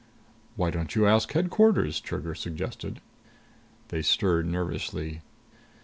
"Why don't you ask Headquarters?" Trigger suggested. They stirred nervously.